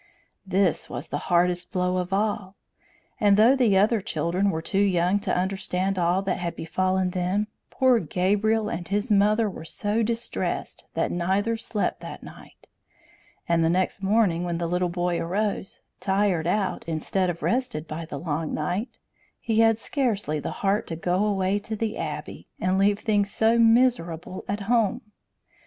This was the hardest blow of all; and though the other children were too young to understand all that had befallen them, poor Gabriel and his mother were so distressed that neither slept that night; and the next morning when the little boy arose, tired out instead of rested by the long night, he had scarcely the heart to go away to the Abbey, and leave things so miserable at home.